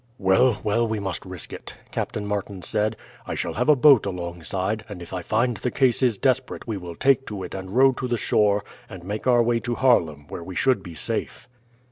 "Well, well, we must risk it," Captain Martin said. "I shall have a boat alongside, and if I find the case is desperate we will take to it and row to the shore, and make our way to Haarlem, where we should be safe."